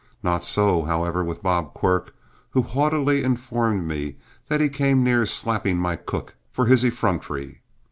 Not so, however, with Bob Quirk, who haughtily informed me that he came near slapping my cook for his effrontery.